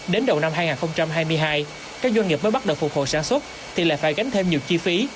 đến đầu năm hai nghìn hai mươi hai các doanh nghiệp mới bắt đầu phục hồi sản xuất thì lại phải gánh thêm nhiều chi phí